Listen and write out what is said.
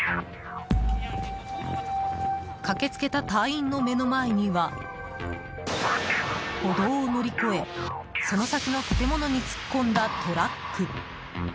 駆けつけた隊員の目の前には歩道を乗り越えその先の建物に突っ込んだトラック。